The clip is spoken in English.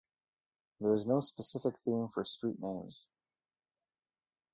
There is no specific theme for street names.